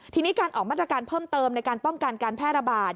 ทีนี้การออกมาตรการเพิ่มเติมในการป้องกันการแพร่ระบาด